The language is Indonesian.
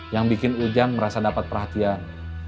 yang bikin ujang merasa dapat perhatian